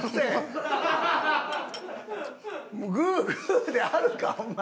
グーグーであるかお前！